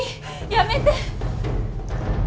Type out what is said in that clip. やめて！